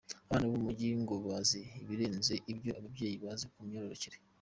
Abana bo mu mujyi ngo bazi ibirenze ibyo ababyeyi bazi ku myororokere.